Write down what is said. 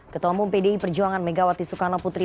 ketua umum pdi perjuangan megawati soekarno putri